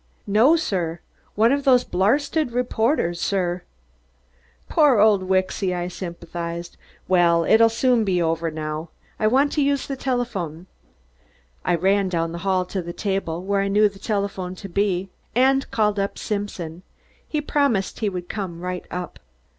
"No, sir. One of those blarsted reporters, sir." "Poor old Wicksy," I sympathized. "Well, it'll soon be over now. I want to use the telephone." I ran down the hall to the table where I knew the telephone to be, and called up Simpson. He promised he would come right up.